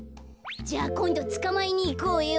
じゃあこんどつかまえにいこうよ。